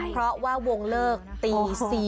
เพราะว่าวงเลิกตี๔